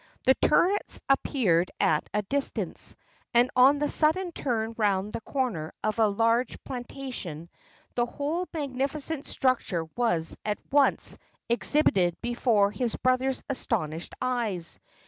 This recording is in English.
The turrets appeared at a distance; and on the sudden turn round the corner of a large plantation, the whole magnificent structure was at once exhibited before his brother's astonished eyes.